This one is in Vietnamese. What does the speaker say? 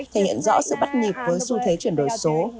thể hiện rõ sự bắt nhịp với xu thế chuyển đổi số